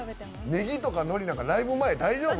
ネギとかノリなんてライブ前大丈夫？